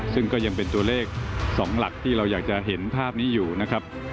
ซึ่งก็ยังเป็นตัวเลข๒หลักที่เราอยากจะเห็นภาพนี้อยู่นะครับ